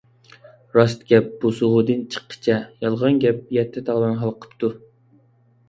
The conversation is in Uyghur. راست گەپ بۇسۇغىدىن چىققىچە، يالغان گەپ يەتتە تاغدىن ھالقىپتۇ.